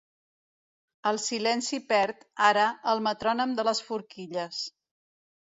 El silenci perd, ara, el metrònom de les forquilles.